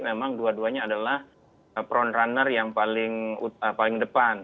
memang keduanya adalah frontrunner yang paling depan